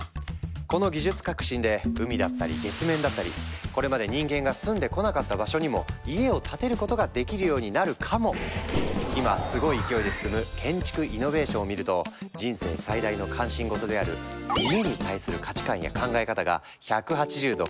この技術革新で海だったり月面だったりこれまで人間が住んでこなかった場所にも家を建てることができるようになるかも⁉今すごい勢いで進む建築イノベーションを見ると人生最大の関心事である「家」に対する価値観や考え方が１８０度変わっちゃう！